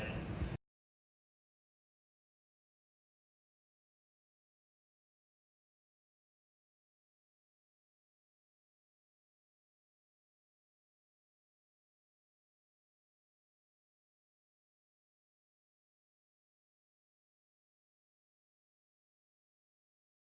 เอาเอาได้เลย